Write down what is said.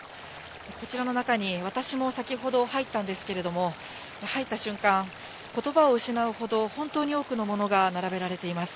こちらの中に私も先ほど入ったんですけれども、入った瞬間、ことばを失うほど、本当に多くのものが並べられています。